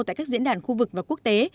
tại các diễn đàn khu vực và quốc tế